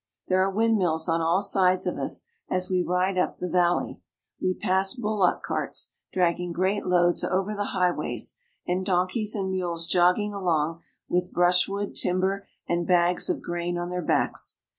There are windmills on all sides of us as we ride up the valley; we pass bullock carts dragging great loads over the highways, and donkeys and mules jogging along with brushwood, timber, and bags of grain on their backs.